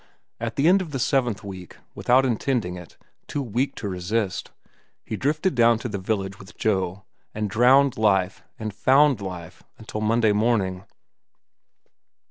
At the end of the seventh week, without intending it, too weak to resist, he drifted down to the village with Joe and drowned life and found life until Monday morning.